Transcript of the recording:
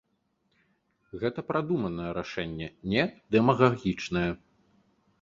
Гэта прадуманае рашэнне, не дэмагагічнае.